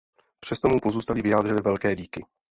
Přesto mu pozůstalí vyjádřili velké díky.